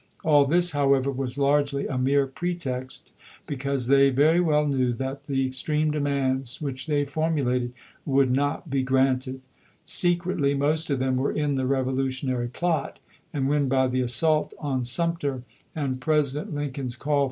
All this, however, was largely a mere pretext, because they very well knew that the extreme demands which they formulated would not be granted. Secretly, most of them were in the revolutionary plot; and when, by the assault on Sumter and President Lincoln's call for troops, 90 ABRAHAM LINCOLN Chap.